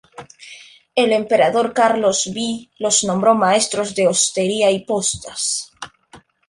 El emperador Carlos V los nombró maestros de hostería y postas.